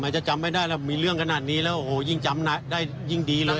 จะจำไม่ได้แล้วมีเรื่องขนาดนี้แล้วโอ้โหยิ่งจำได้ยิ่งดีเลย